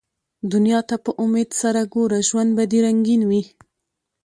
دنیا ته په امېد سره ګوره ، ژوند به دي رنګین وي